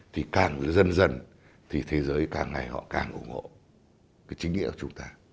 thì càng dần dần thì thế giới càng ngày họ càng ủng hộ cái chính nghĩa của chúng ta